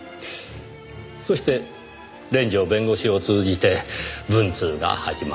そして連城弁護士を通じて文通が始まった。